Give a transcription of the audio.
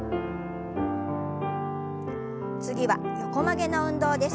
次は横曲げの運動です。